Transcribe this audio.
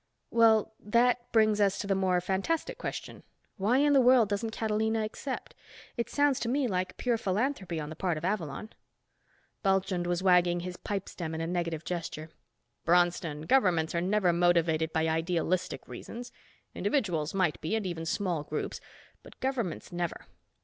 "Well, that brings us to the more fantastic question. Why in the world doesn't Catalina accept? It sounds to me like pure philanthropy on the part of Avalon." Bulchand was wagging his pipe stem in a negative gesture. "Bronston, governments are never motivated by idealistic reasons. Individuals might be, and even small groups, but governments never.